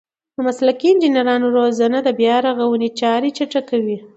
د مسلکي انجنیرانو روزنه د بیارغونې چارې چټکوي.